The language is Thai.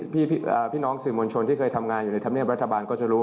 พี่น้องสื่อมวลชนที่เคยทำงานอยู่ในธรรมเนียบรัฐบาลก็จะรู้